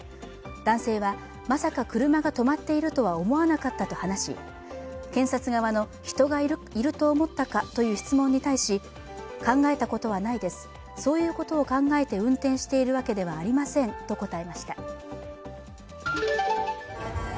男性はまさか車が止まっているとは思わなかったと話し検察側の人が入ると思ったかという質問に対し、考えたことはないです、そういうことを考えて運転しているわけではありませんと答えました。